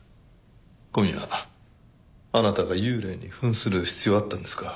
今夜あなたが幽霊に扮する必要あったんですか？